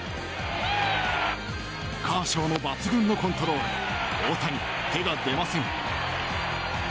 カーショウの抜群のコントロール大谷、手が出ません。